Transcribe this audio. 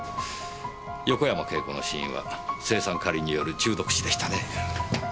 横山慶子の死因は青酸カリによる中毒死でしたね。